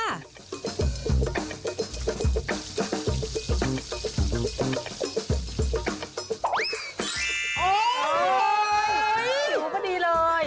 โอ๊ยสีหูก็ดีเลย